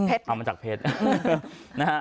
เอามาจากเพชร